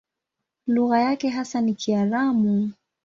Lugha yake hasa ni Kiaramu.